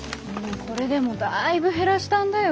これでもだいぶ減らしたんだよ。